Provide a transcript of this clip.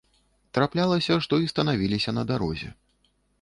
Траплялася, што і станавіліся на дарозе.